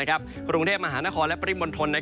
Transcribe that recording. กรุงเทพมหานครและปริมณฑล